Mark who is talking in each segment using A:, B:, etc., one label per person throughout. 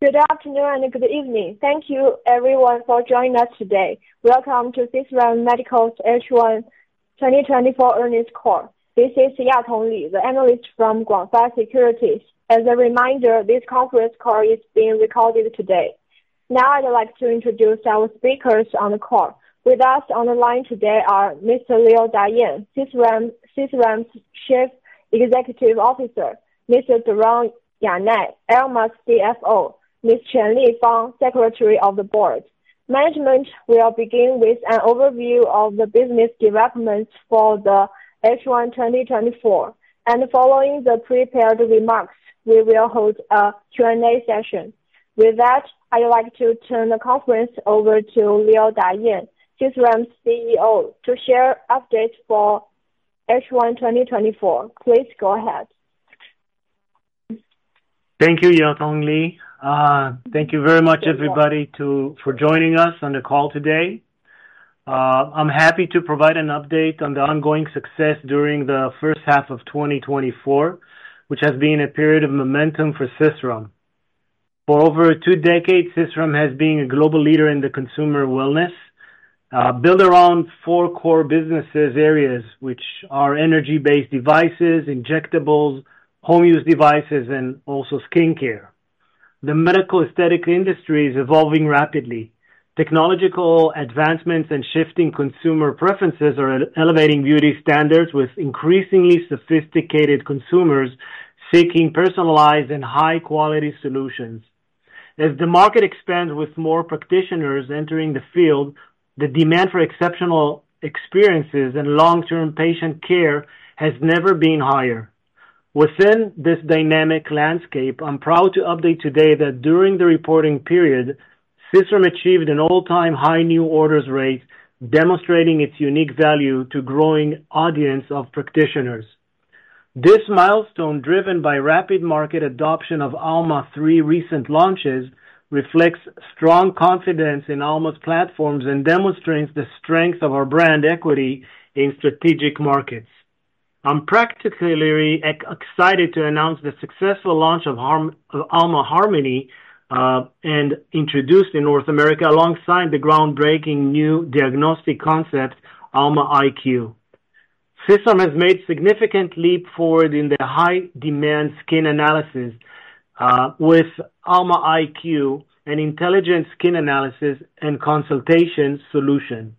A: Good afternoon and good evening. Thank you everyone for joining us today. Welcome to Sisram Medical's H1 2024 Earnings Call. This is Yatong Li, the analyst from Guangfa Securities. As a reminder, this conference call is being recorded today. Now, I'd like to introduce our speakers on the call. With us on the line today are Mr. Lior Dayan, Sisram, Sisram's Chief Executive Officer, Mr. Doron Yannai, Alma's CFO, Ms. Qianli Fang, Secretary of the Board. Management will begin with an overview of the business developments for the H1 2024, and following the prepared remarks, we will hold a Q&A session. With that, I'd like to turn the conference over to Lior Dayan, Sisram's CEO, to share updates for H1 2024. Please go ahead.
B: Thank you, Yatong Li. Thank you very much, everybody, for joining us on the call today. I'm happy to provide an update on the ongoing success during the first half of 2024, which has been a period of momentum for Sisram. For over two decades, Sisram has been a global leader in the consumer wellness, built around four core businesses areas, which are energy-based devices, injectables, home use devices, and also skincare. The medical aesthetic industry is evolving rapidly. Technological advancements and shifting consumer preferences are elevating beauty standards with increasingly sophisticated consumers seeking personalized and high-quality solutions. As the market expands with more practitioners entering the field, the demand for exceptional experiences and long-term patient care has never been higher. Within this dynamic landscape, I'm proud to update today that during the reporting period, Alma Lasers achieved an all-time high new orders rate, demonstrating its unique value to growing audience of practitioners. This milestone, driven by rapid market adoption of Alma's three recent launches, reflects strong confidence in Alma's platforms and demonstrates the strength of our brand equity in strategic markets. I'm particularly excited to announce the successful launch of Alma Harmony and introduced in North America alongside the groundbreaking new diagnostic concept, Alma IQ. Sisram has made significant leap forward in the high-demand skin analysis with Alma IQ, an intelligent skin analysis and consultation solution.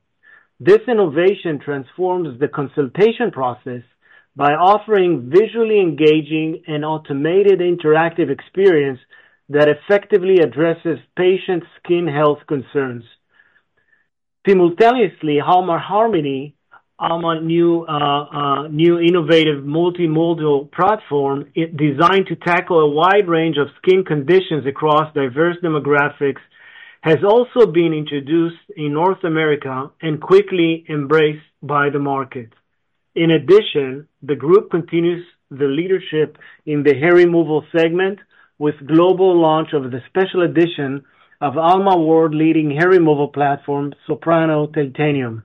B: This innovation transforms the consultation process by offering visually engaging and automated interactive experience that effectively addresses patients' skin health concerns. Simultaneously, Alma Harmony, a new innovative multimodal platform, it designed to tackle a wide range of skin conditions across diverse demographics, has also been introduced in North America and quickly embraced by the market. In addition, the group continues the leadership in the Hair Removal segment with global launch of the special edition of Alma world-leading hair removal platform, Soprano Titanium.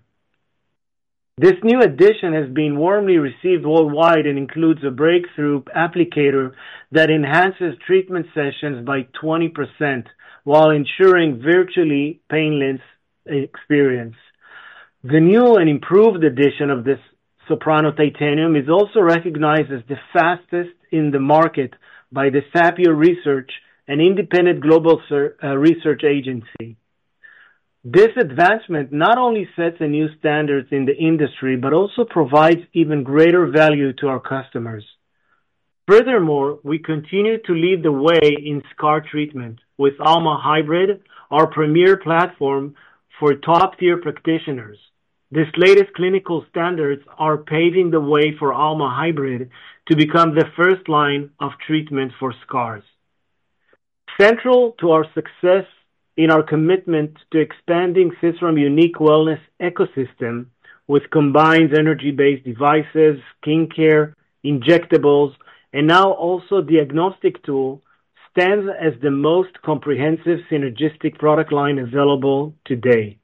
B: This new addition has been warmly received worldwide and includes a breakthrough applicator that enhances treatment sessions by 20% while ensuring virtually painless experience. The new and improved edition of this Soprano Titanium is also recognized as the fastest in the market by the Sapio Research, an independent global research agency. This advancement not only sets a new standard in the industry, but also provides even greater value to our customers. Furthermore, we continue to lead the way in scar treatment with Alma Hybrid, our premier platform for top-tier practitioners. These latest clinical standards are paving the way for Alma Hybrid to become the first line of treatment for scars. Central to our success is our commitment to expanding Sisram's unique wellness ecosystem, which combines energy-based devices, skincare, injectables, and now also diagnostic too, stands as the most comprehensive synergistic product line available today.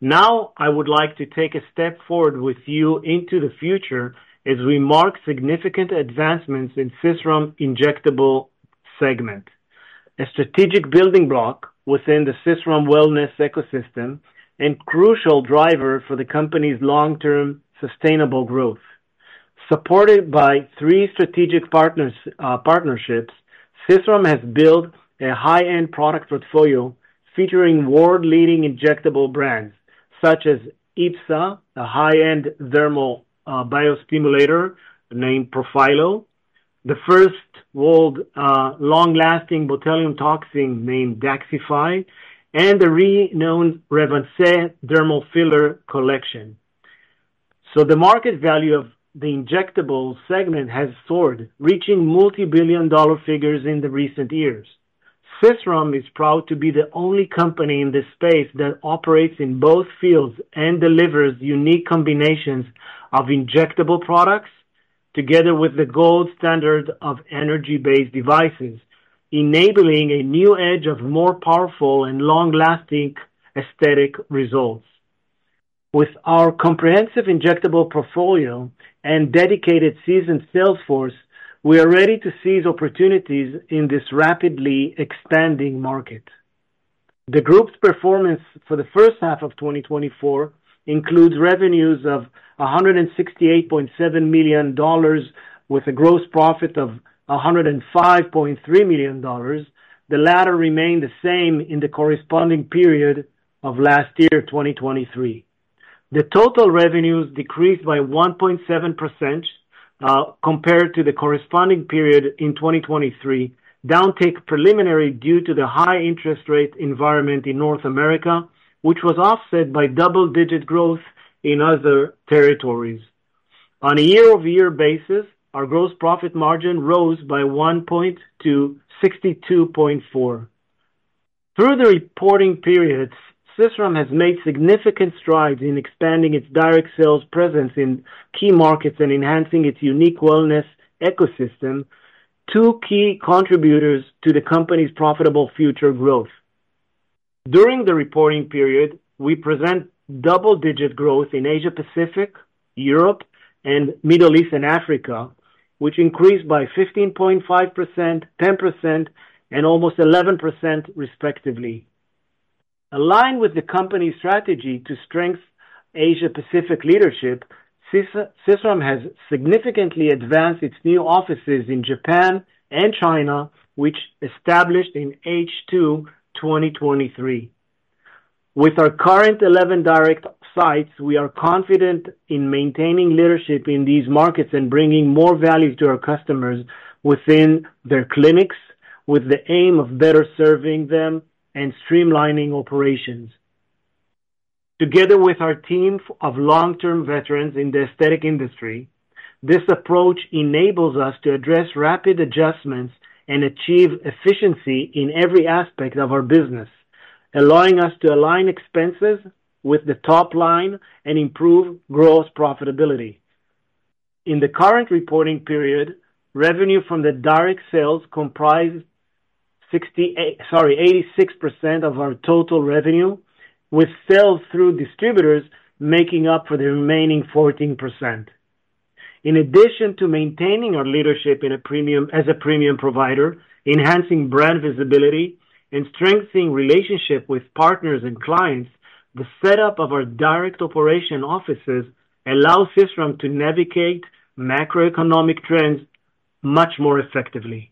B: Now, I would like to take a step forward with you into the future as we mark significant advancements in Sisram's injectable segment, a strategic building block within the Sisram wellness ecosystem and crucial driver for the company's long-term sustainable growth. Supported by three strategic partners, partnerships, Sisram has built a high-end product portfolio featuring world-leading injectable brands, such as IBSA, a high-end thermal biostimulator named Profhilo, the first world long-lasting botulinum toxin named DAXXIFY, and the renowned Revanesse dermal filler collection, so the market value of the injectable segment has soared, reaching multibillion-dollar figures in the recent years. Sisram Medical is proud to be the only company in this space that operates in both fields and delivers unique combinations of injectable products together with the gold standard of energy-based devices, enabling a new edge of more powerful and long-lasting aesthetic results. With our comprehensive injectable portfolio and dedicated seasoned sales force, we are ready to seize opportunities in this rapidly expanding market. The group's performance for the first half of 2024 includes revenues of $168.7 million, with a gross profit of $105.3 million. The latter remained the same in the corresponding period of last year, 2023. The total revenues decreased by 1.7%, compared to the corresponding period in 2023. Downtick preliminary due to the high interest rate environment in North America, which was offset by double-digit growth in other territories. On a year-over-year basis, our gross profit margin rose by 1 point to 62.4%. Through the reporting periods, Sisram has made significant strides in expanding its direct sales presence in key markets and enhancing its unique wellness ecosystem, two key contributors to the company's profitable future growth. During the reporting period, we present double-digit growth in Asia Pacific, Europe, and Middle East and Africa, which increased by 15.5%, 10%, and almost 11%, respectively. Aligned with the company's strategy to strengthen Asia Pacific leadership, Sisram has significantly advanced its new offices in Japan and China, which established in H2 2023. With our current eleven direct sites, we are confident in maintaining leadership in these markets and bringing more value to our customers within their clinics, with the aim of better serving them and streamlining operations. Together with our team of long-term veterans in the aesthetic industry, this approach enables us to address rapid adjustments and achieve efficiency in every aspect of our business, allowing us to align expenses with the top line and improve gross profitability. In the current reporting period, revenue from the direct sales comprised 86% of our total revenue, with sales through distributors making up for the remaining 14%. In addition to maintaining our leadership in a premium, as a premium provider, enhancing brand visibility, and strengthening relationship with partners and clients, the setup of our direct operation offices allows Alma Lasers to navigate macroeconomic trends much more effectively.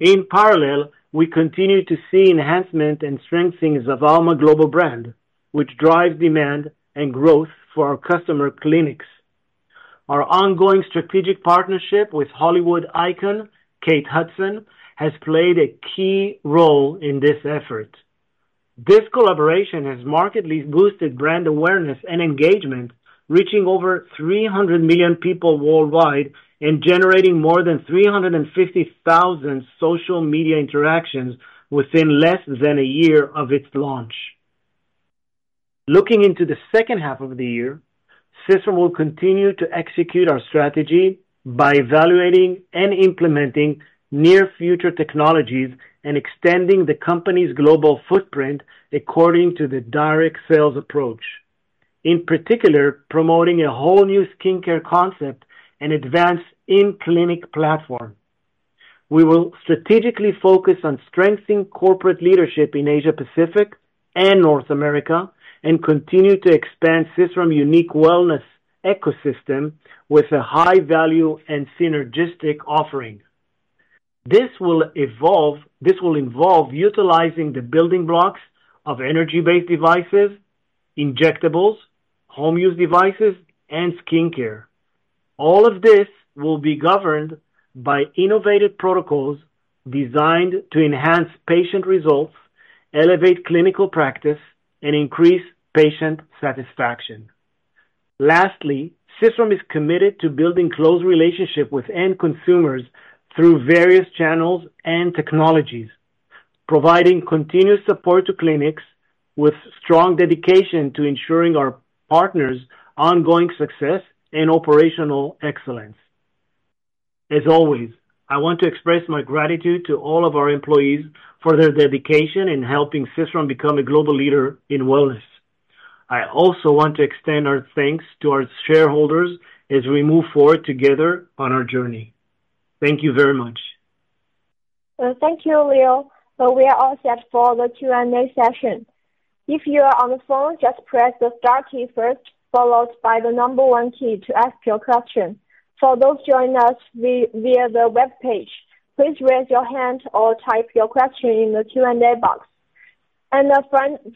B: In parallel, we continue to see enhancement and strengthening of Alma Global brand, which drives demand and growth for our customer clinics. Our ongoing strategic partnership with Hollywood icon, Kate Hudson, has played a key role in this effort. This collaboration has markedly boosted brand awareness and engagement, reaching over 300 million people worldwide and generating more than 350,000 social media interactions within less than a year of its launch. Looking into the second half of the year, Sisram will continue to execute our strategy by evaluating and implementing near future technologies and extending the company's global footprint according to the direct sales approach. In particular, promoting a whole new skincare concept and advanced in-clinic platform. We will strategically focus on strengthening corporate leadership in Asia Pacific and North America, and continue to expand Sisram unique wellness ecosystem with a high value and synergistic offering. This will involve utilizing the building blocks of energy-based devices, injectables, home use devices, and skincare. All of this will be governed by innovative protocols designed to enhance patient results, elevate clinical practice, and increase patient satisfaction. Lastly, Sisram is committed to building close relationship with end consumers through various channels and technologies, providing continuous support to clinics with strong dedication to ensuring our partners' ongoing success and operational excellence. As always, I want to express my gratitude to all of our employees for their dedication in helping Sisram become a global leader in wellness. I also want to extend our thanks to our shareholders as we move forward together on our journey. Thank you very much.
A: Thank you, Lior, so we are all set for the Q&A session. If you are on the phone, just press the star key first, followed by the number one key to ask your question. For those joining us via the webpage, please raise your hand or type your question in the Q&A box, and a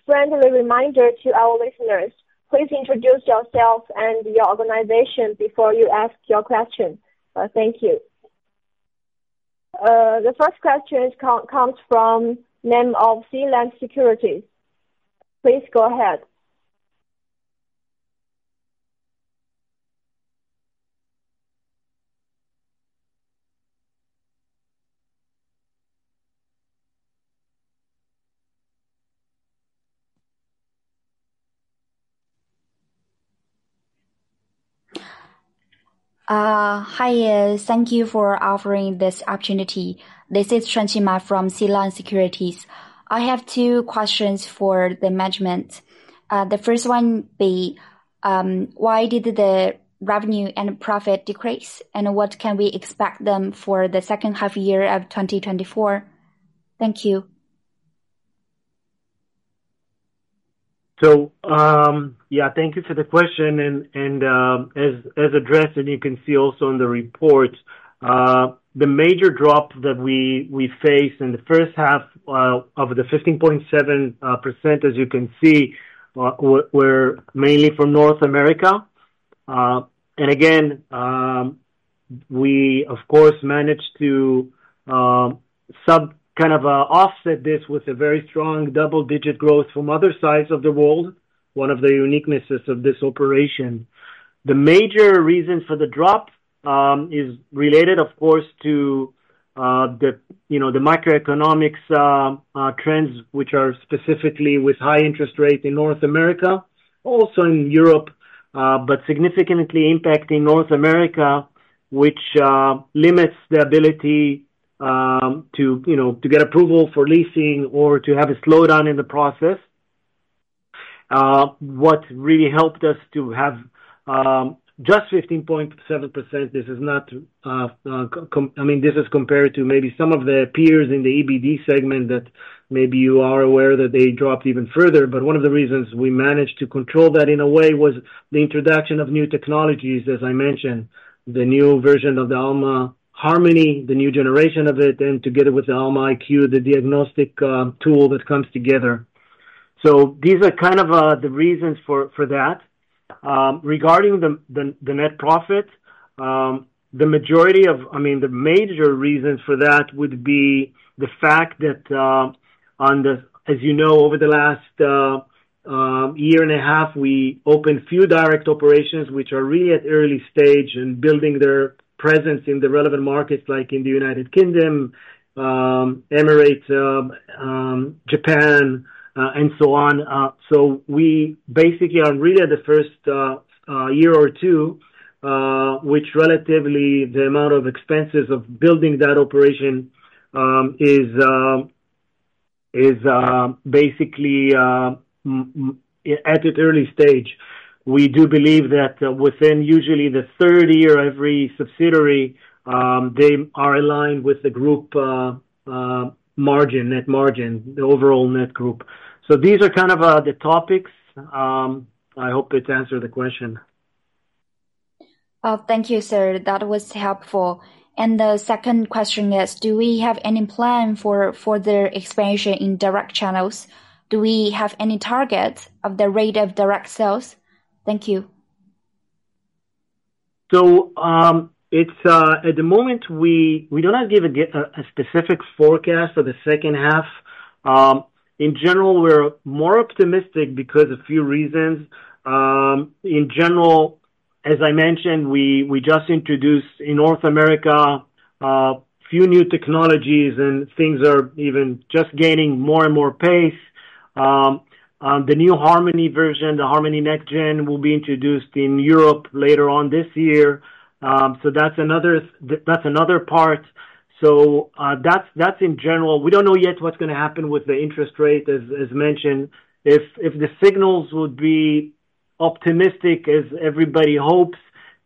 A: friendly reminder to our listeners, please introduce yourself and your organization before you ask your question. Thank you. The first question comes from Sealand Securities. Please go ahead.
C: Hi, thank you for offering this opprtunity. This is Shansh Ma from Sealand Securities. I have two questions for the management. The first one, why did the revenue and profit decrease? And what can we expect them for the second half year of 2024? Thank you.
B: So, yeah, thank you for the question, and as addressed, and you can see also in the report, the major drop that we faced in the first half of the 15.7%, as you can see, were mainly from North America. And again, we of course managed to some kind of offset this with a very strong double-digit growth from other sides of the world, one of the uniquenesses of this operation. The major reason for the drop is related, of course, to the you know the macroeconomic trends, which are specifically with high interest rates in North America, also in Europe, but significantly impacting North America, which limits the ability to you know to get approval for leasing or to have a slowdown in the process. What really helped us to have just 15.7%, this is not, I mean, this is compared to maybe some of the peers in the EBD segment, that maybe you are aware that they dropped even further. But one of the reasons we managed to control that in a way was the introduction of new technologies, as I mentioned, the new version of the Alma Harmony, the new generation of it, and together with the Alma IQ, the diagnostic tool that comes together. So these are kind of the reasons for that. Regarding the net profit, the majority of... I mean, the major reasons for that would be the fact that, as you know, over the last year and a half, we opened few direct operations, which are really at early stage in building their presence in the relevant markets, like in the United Kingdom, Emirates, Japan, and so on. So we basically are really at the first year or two, which relatively the amount of expenses of building that operation is basically at an early stage. We do believe that, within usually the third year, every subsidiary they are aligned with the group margin, net margin, the overall net group. These are kind of the topics. I hope it's answered the question.
C: Thank you, sir. That was helpful. The second question is: do we have any plan for the expansion in direct channels? Do we have any target of the rate of direct sales? Thank you.
B: So, at the moment, we do not give a specific forecast for the second half. In general, we're more optimistic because a few reasons. In general, as I mentioned, we just introduced in North America few new technologies, and things are even just gaining more and more pace. The new Harmony version, the Harmony Next Gen, will be introduced in Europe later on this year. So that's another part. That's in general. We don't know yet what's gonna happen with the interest rate, as mentioned. If the signals would be optimistic, as everybody hopes,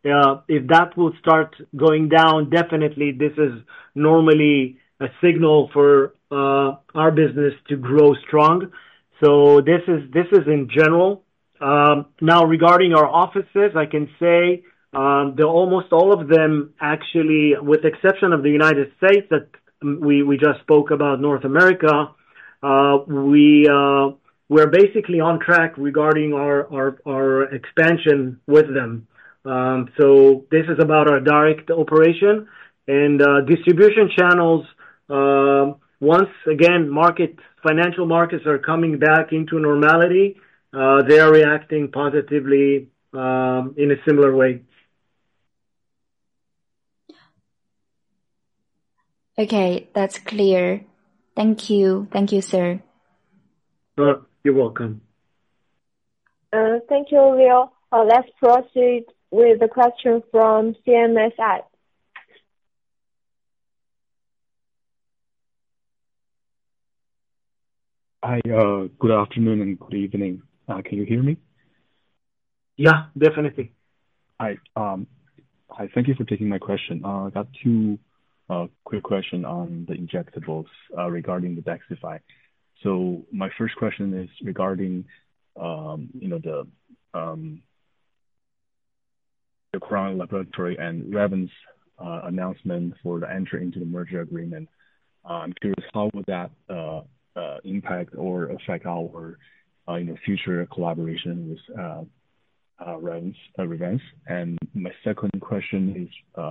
B: if that will start going down, definitely this is normally a signal for our business to grow strong. So this is in general. Now, regarding our offices, I can say that almost all of them, actually, with exception of the United States that we just spoke about North America, we're basically on track regarding our expansion with them. So this is about our direct operation. And distribution channels, once again, market financial markets are coming back into normality, they are reacting positively in a similar way. Okay, that's clear. Thank you. Thank you, sir. You're welcome.
A: Thank you, Leo. Let's proceed with the question from CMSI.
C: Hi, good afternoon and good evening. Can you hear me?
B: Yeah, definitely.
C: Hi, hi, thank you for taking my question. I got two quick question on the injectables regarding the DAXXIFY. So my first question is regarding, you know, the Crown Laboratories and Revance announcement for the entry into the merger agreement. I'm curious, how would that impact or affect our, you know, future collaboration with Revance, Revance? And my second question is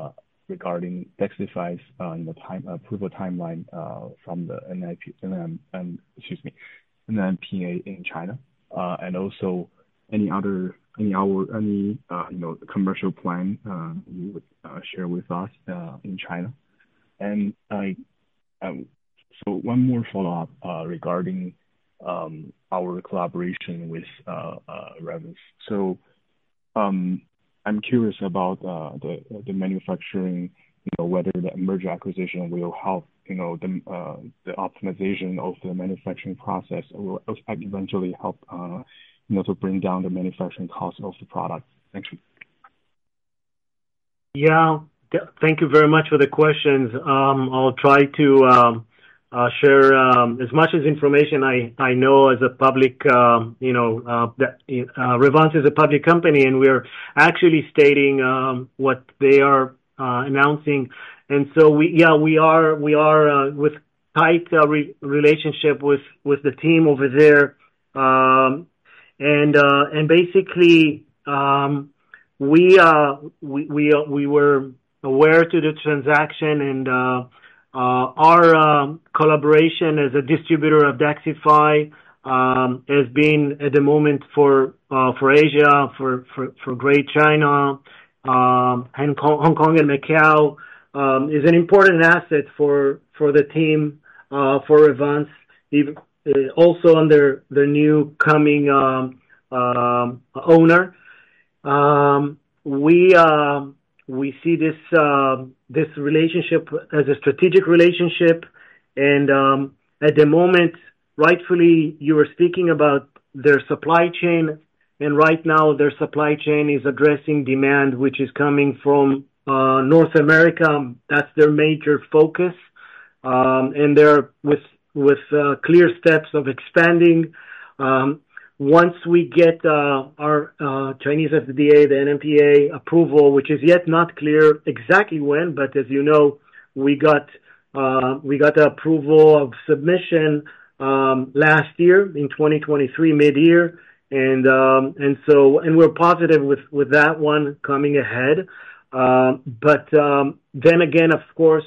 C: regarding DAXXIFY's, you know, time approval timeline from the NMPA in China, and also any other you know commercial plan you would share with us in China? I so one more follow-up regarding our collaboration with Revance. I'm curious about the manufacturing, you know, whether the merger acquisition will help, you know, the optimization of the manufacturing process or will eventually help, you know, to bring down the manufacturing cost of the product. Thank you.
B: Yeah. Thank you very much for the questions. I'll try to share as much as information I know as a public, you know, that Revance is a public company, and we are actually stating what they are announcing. And so we, yeah, we are with tight relationship with the team over there. And basically, we were aware to the transaction and our collaboration as a distributor of DAXXIFY has been at the moment for Asia, for Great China, Hong Kong and Macau is an important asset for the team for Revance, even also under the new coming owner. We see this relationship as a strategic relationship, and at the moment, rightfully, you were speaking about their supply chain, and right now their supply chain is addressing demand, which is coming from North America. That's their major focus, and they're with clear steps of expanding. Once we get our Chinese FDA, the NMPA approval, which is yet not clear exactly when, but as you know, we got the approval of submission last year in 2023, mid-year, and so, and we're positive with that one coming ahead, but then again, of course,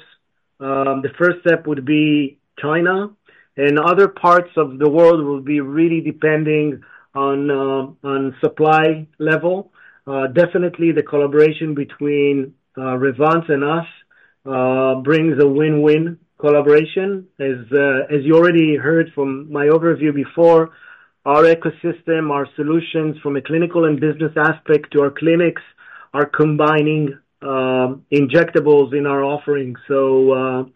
B: the first step would be China, and other parts of the world will be really depending on supply level. Definitely the collaboration between Revance and us brings a win-win collaboration. As you already heard from my overview before, our ecosystem, our solutions from a clinical and business aspect to our clinics, are combining injectables in our offerings. So,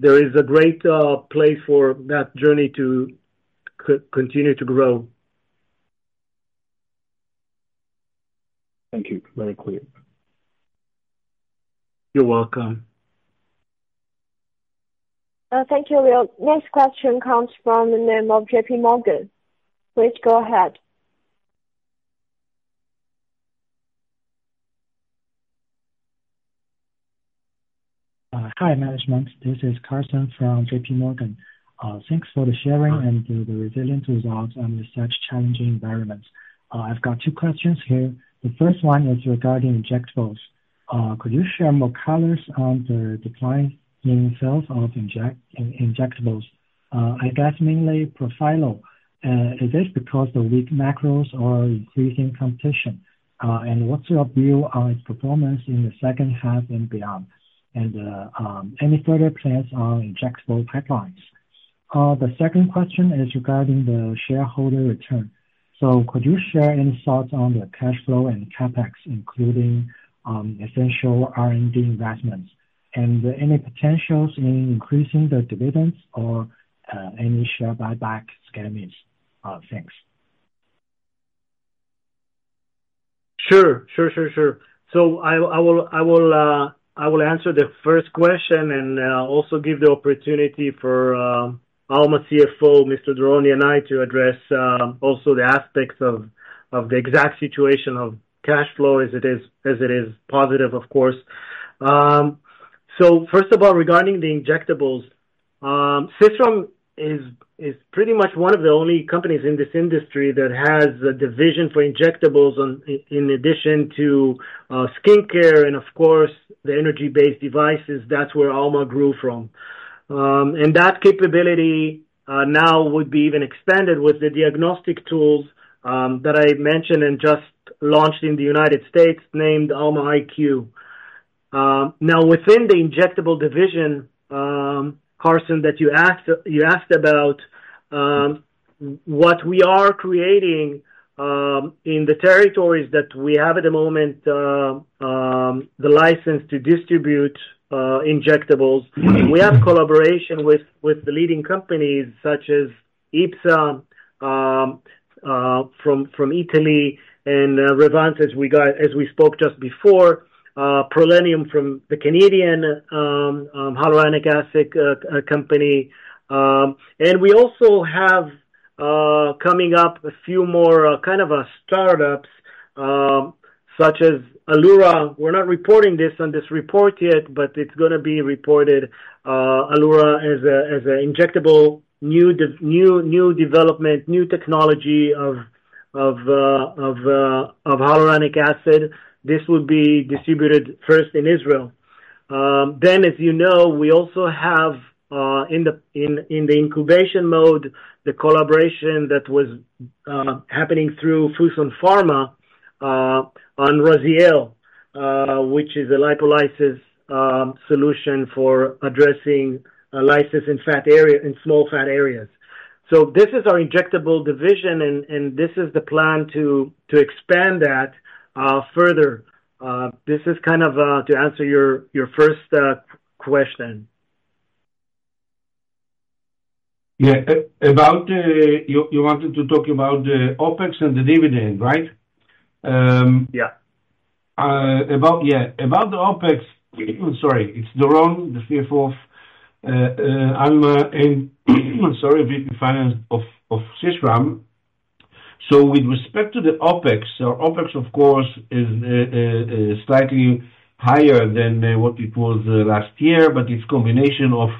B: there is a great place for that journey to continue to grow.
C: Thank you. Very clear.
B: You're welcome.
A: Thank you, Lior. Next question comes from the name of JPMorgan. Please go ahead.
D: Hi, management. This is Carson from JPMorgan. Thanks for the sharing and the resilient results under such challenging environments. I've got two questions here. The first one is regarding injectables. Could you share more colors on the decline in sales of injectables? I guess mainly Profhilo. Is this because of weak macros or increasing competition? And what's your view on its performance in the second half and beyond? And any further plans on injectable pipelines? The second question is regarding the shareholder return. So could you share any thoughts on the cash flow and CapEx, including essential R&D investments, and any potentials in increasing the dividends or any share buyback schemes? Thanks.
B: Sure. I will answer the first question and also give the opportunity for Alma CFO, Mr. Doron Yannai, and I to address also the aspects of the exact situation of cash flow as it is positive, of course, so first of all, regarding the injectables, Sisram is pretty much one of the only companies in this industry that has a division for injectables in addition to skincare and of course, the energy-based devices, that's where Alma grew from, and that capability now would be even expanded with the diagnostic tools that I mentioned and just launched in the United States, named Alma IQ. Now within the injectable division, Carson, that you asked about, what we are creating in the territories that we have at the moment, the license to distribute injectables. We have collaboration with the leading companies such as IBSA from Italy and Revance, as we got, as we spoke just before, Prollenium from the Canadian hyaluronic acid company. And we also have coming up a few more kind of a startups such as Allura. We're not reporting this on this report yet, but it's gonna be reported, Allura as a injectable, new development, new technology of hyaluronic acid. This would be distributed first in Israel. Then, as you know, we also have, in the incubation mode, the collaboration that was happening through Fosun Pharma, on Raziel, which is a lipolysis solution for addressing lysis in fat area, in small fat areas. So this is our injectable division, and this is the plan to expand that further. This is kind of to answer your first question.
E: Yeah. You wanted to talk about the OpEx and the dividend, right?
D: Yeah.
E: About the OpEx. Sorry, it's Doron, the CFO of, I'm sorry, VP Finance of Sisram. So with respect to the OpEx, so OpEx, of course, is slightly higher than what it was last year, but it's combination of,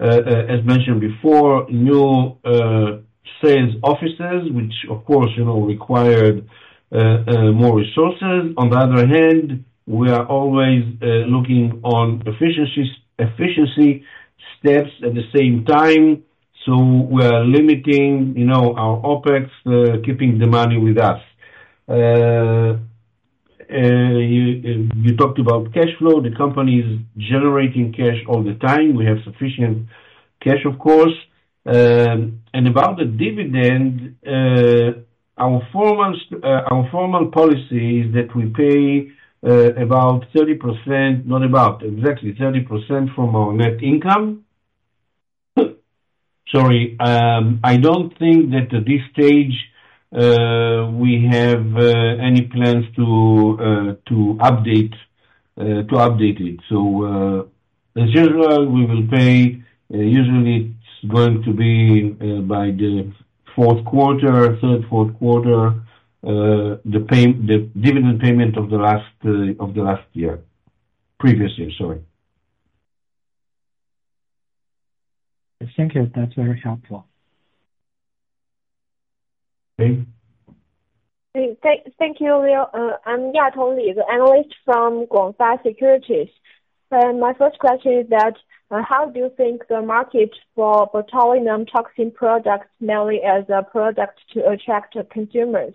E: as mentioned before, new sales offices, which of course, you know, required more resources. On the other hand, we are always looking on efficiencies, efficiency steps at the same time, so we are limiting, you know, our OpEx, keeping the money with us. You talked about cash flow. The company is generating cash all the time. We have sufficient cash, of course. And about the dividend, our formal policy is that we pay about 30%, not about, exactly 30% from our net income. Sorry. I don't think that at this stage, we have any plans to update it. So, as usual, we will pay. Usually it's going to be by the third-fourth quarter, the dividend payment of the last year. Previous year, sorry.
D: Thank you. That's very helpful.
E: Okay.
A: Hey, thank you, Lior. I'm Yatong Li, the analyst from Guangfa Securities. My first question is that, how do you think the market for botulinum toxin products, mainly as a product to attract the consumers?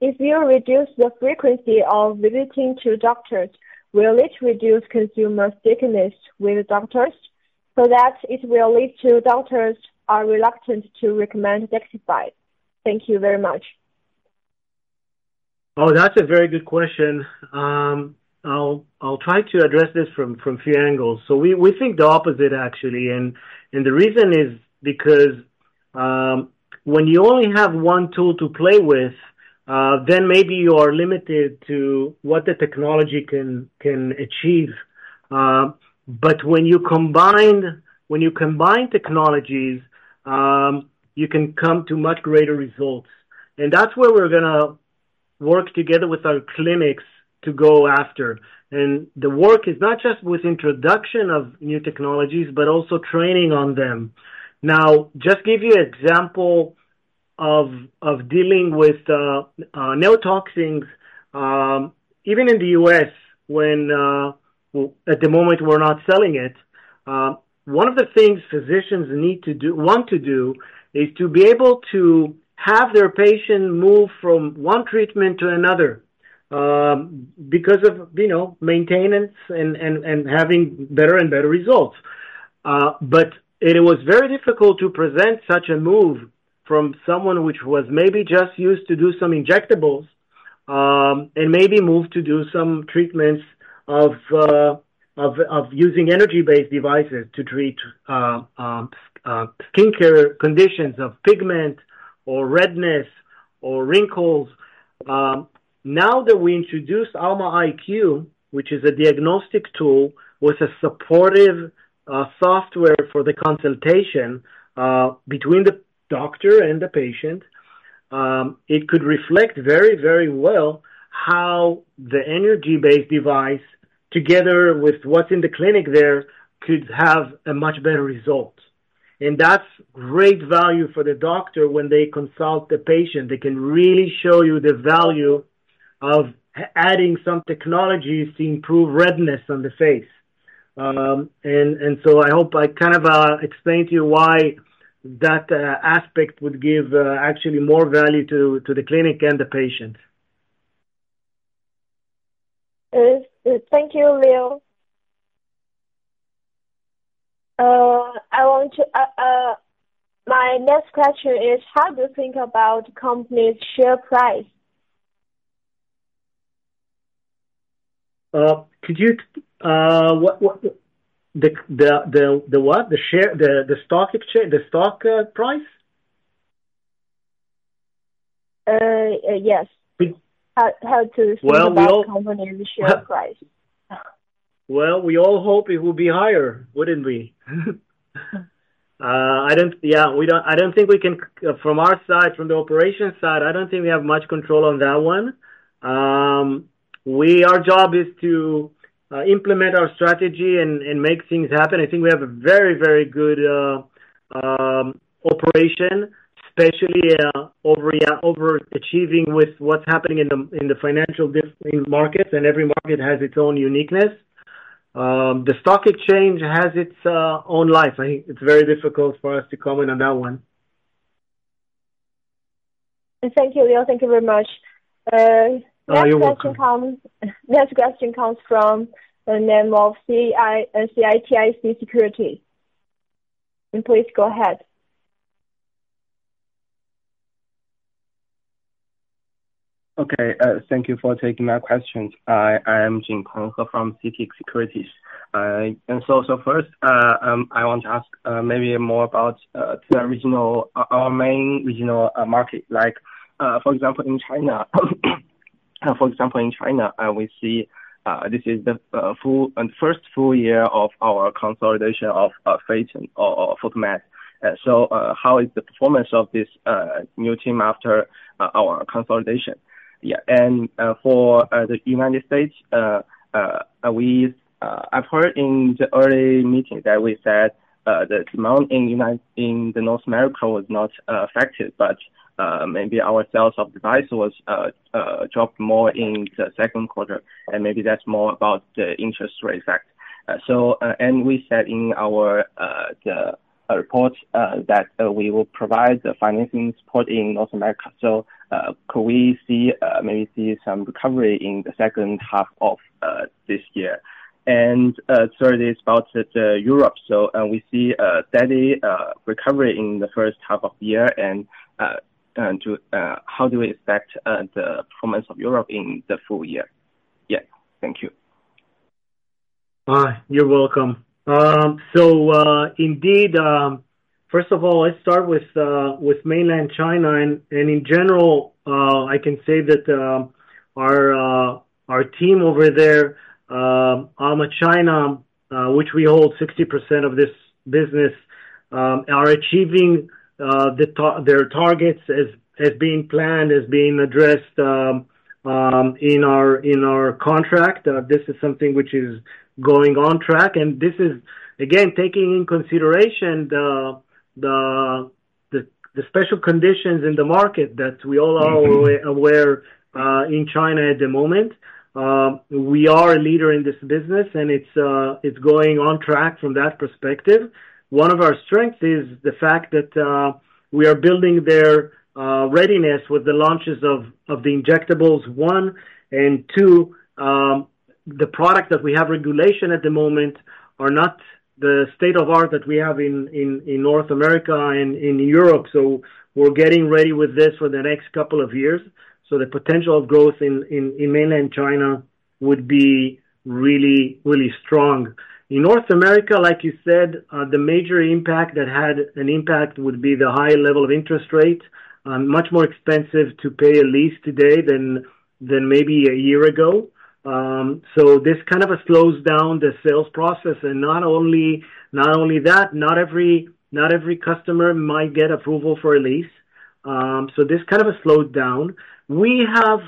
A: If you reduce the frequency of visiting to doctors, will it reduce consumer stickiness with doctors, so that it will lead to doctors are reluctant to recommend DAXXIFY? Thank you very much.
B: Oh, that's a very good question. I'll try to address this from few angles. So we think the opposite, actually, and the reason is because, when you only have one tool to play with, then maybe you are limited to what the technology can achieve. But when you combine technologies, you can come to much greater results, and that's where we're gonna work together with our clinics to go after, and the work is not just with introduction of new technologies, but also training on them. Now, just give you an example of dealing with neurotoxins, even in the U.S., well, at the moment, we're not selling it. One of the things physicians need to do. Want to do is to be able to have their patient move from one treatment to another, because of, you know, maintenance and having better and better results. But it was very difficult to present such a move from someone which was maybe just used to do some injectables, and maybe move to do some treatments of using energy-based devices to treat skincare conditions of pigment, or redness, or wrinkles. Now that we introduced Alma IQ, which is a diagnostic tool, with a supportive software for the consultation between the doctor and the patient, it could reflect very, very well how the energy-based device, together with what's in the clinic there, could have a much better result. And that's great value for the doctor when they consult the patient. They can really show you the value of adding some technologies to improve redness on the face. And so I hope I kind of explained to you why that aspect would give actually more value to the clinic and the patient.
A: Thank you, Lior. My next question is: How do you think about company's share price?
B: Could you, what the what? The share, the stock exchange, the stock price?
A: Uh, yes.
B: We
A: How to think
B: We all
A: About company's share price?
B: We all hope it will be higher, wouldn't we? I don't think we can from our side, from the operations side. I don't think we have much control on that one. Our job is to implement our strategy and make things happen. I think we have a very, very good operation, especially over-achieving with what's happening in the financially different markets, and every market has its own uniqueness. The stock exchange has its own life. I think it's very difficult for us to comment on that one.
A: Thank you, Lior. Thank you very much. Next question comes.
B: You're welcome.
A: Next question comes from of CITIC Securities. Please go ahead.
F: Okay, thank you for taking my questions. I am Lingjie Kong from CITIC Securities. And so, first, I want to ask, maybe more about, the original, our main regional, market, like, for example, in China. For example, in China, we see, this is the full and first full year of our consolidation of. So, how is the performance of this, new team after, our consolidation? Yeah. And, for, the United States, we, I've heard in the early meeting that we said, that amount in United- in the North America was not, affected, but, maybe our sales of device was, dropped more in the second quarter, and maybe that's more about the interest rate effect. So, and we said in our report that we will provide the financing support in North America. So, could we maybe see some recovery in the second half of this year? And, thirdly, about Europe, so, we see a steady recovery in the first half of the year, and to how do we expect the performance of Europe in the full year? Yeah. Thank you.
B: You're welcome. So, indeed, first of all, let's start with mainland China, and in general, I can say that our team over there, Alma China, which we hold 60% of this business, are achieving their targets as being planned, as being addressed, in our contract. This is something which is going on track, and this is again, taking into consideration the special conditions in the market that we all are aware in China at the moment. We are a leader in this business, and it's going on track from that perspective. One of our strengths is the fact that we are building their readiness with the launches of the injectables, one, and two, the product that we have regulation at the moment are not the state-of-the-art that we have in North America and in Europe, so we're getting ready with this for the next couple of years, so the potential growth in mainland China would be really strong. In North America, like you said, the major impact would be the high level of interest rates. Much more expensive to pay a lease today than maybe a year ago. So this kind of slows down the sales process, and not only that, not every customer might get approval for a lease. So this kind of slowed down. We have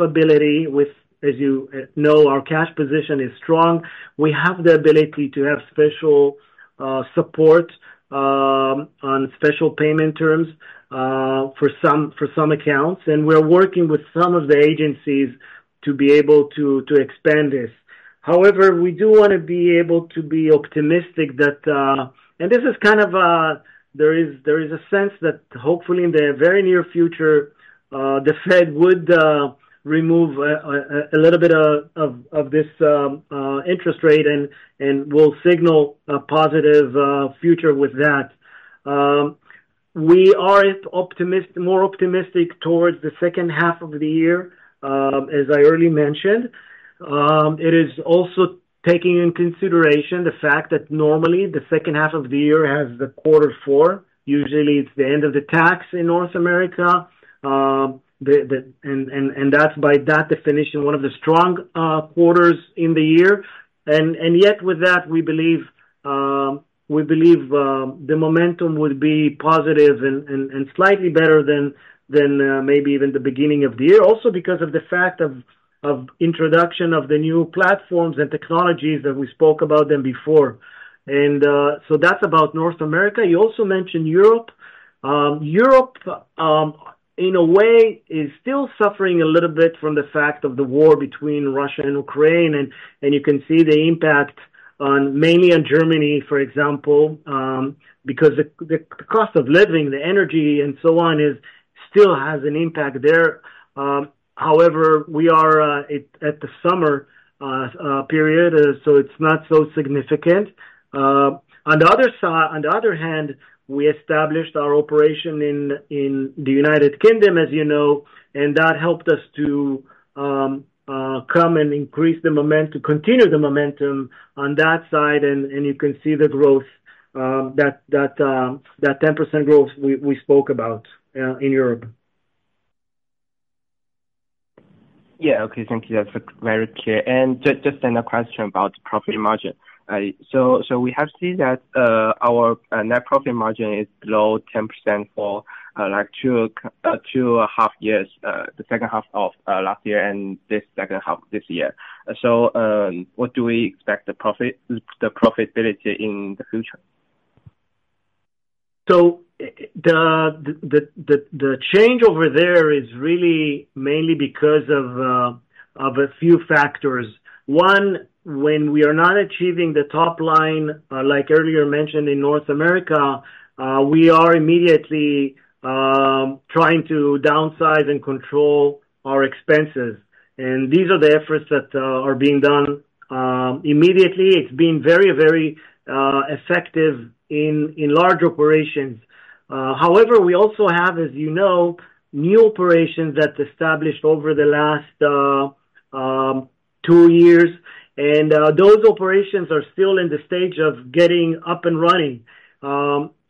B: ability with, as you know, our cash position is strong. We have the ability to have special support on special payment terms for some accounts, and we're working with some of the agencies to be able to expand this. However, we do wanna be able to be optimistic that, and this is kind of, there is a sense that hopefully in the very near future, the Fed would remove a little bit of this interest rate, and will signal a positive future with that. We are more optimistic towards the second half of the year, as I already mentioned. It is also taking into consideration the fact that normally the second half of the year has the quarter four. Usually, it's the end of the year in North America, and that's by that definition, one of the strong quarters in the year. Yet with that, we believe the momentum will be positive and slightly better than maybe even the beginning of the year. Also, because of the fact of introduction of the new platforms and technologies that we spoke about them before. So that's about North America. You also mentioned Europe. Europe, in a way, is still suffering a little bit from the fact of the war between Russia and Ukraine, and you can see the impact, mainly on Germany, for example, because the cost of living, the energy and so on, still has an impact there. However, we are at the summer period, so it's not so significant. On the other hand, we established our operation in the United Kingdom, as you know, and that helped us to continue the momentum on that side, and you can see the growth, that 10% growth we spoke about in Europe.
F: Yeah. Okay. Thank you. That's very clear. And just another question about profit margin. So we have seen that our net profit margin is below 10% for like two half years, the second half of last year and this second half this year. So what do we expect the profit, the profitability in the future?
B: The change over there is really mainly because of a few factors. One, when we are not achieving the top line, like earlier mentioned in North America, we are immediately trying to downsize and control our expenses. And these are the efforts that are being done immediately. It's been very, very effective in large operations. However, we also have, as you know, new operations that established over the last two years, and those operations are still in the stage of getting up and running.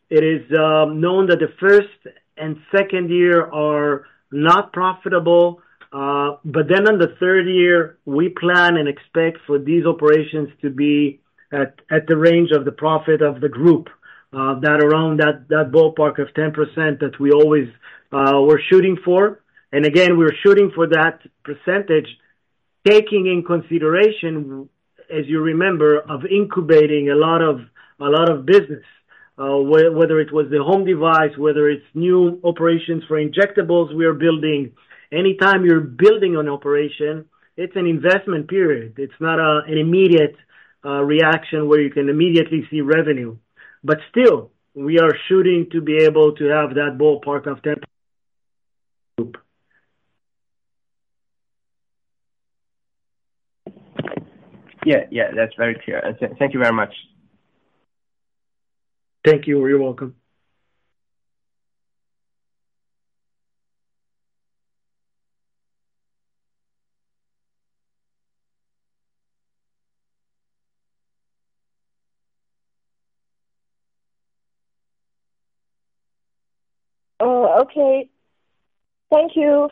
B: It is known that the first and second year are not profitable, but then on the third year, we plan and expect for these operations to be at the range of the profit of the group, that around that ballpark of 10% that we always we're shooting for. And again, we're shooting for that percentage, taking in consideration, as you remember, of incubating a lot of business, whether it was the home device, whether it's new operations for injectables we are building. Anytime you're building an operation, it's an investment period. It's not an immediate reaction where you can immediately see revenue. But still, we are shooting to be able to have that ballpark of 10%.
F: Yeah. Yeah, that's very clear. Thank you very much.
B: Thank you. You're welcome.
A: Okay. Thank you.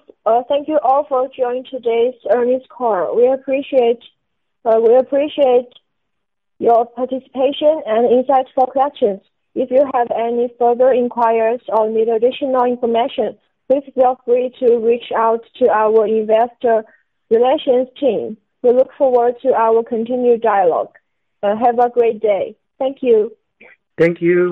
A: Thank you all for joining today's earnings call. We appreciate your participation and insightful questions. If you have any further inquiries or need additional information, please feel free to reach out to our investor relations team. We look forward to our continued dialogue. Have a great day. Thank you.
B: Thank you.